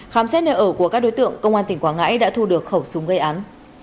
khám xét nơi ở của các đối tượng công an tỉnh quảng ngãi đã thu được khẩu súng gây án